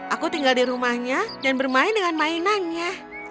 aku tinggal di rumahnya dan bermain dengan mainannya